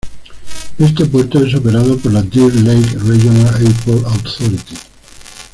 Este puerto es operado por la Deer Lake Regional Airport Authority.